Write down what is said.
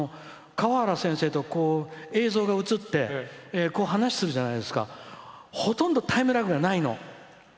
川原先生と映像が映って話をするじゃないですかほとんどタイムラグがないの。